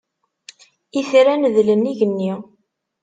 Itran dlen igenni.